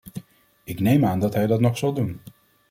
Ik neem aan dat hij dat nog zal doen.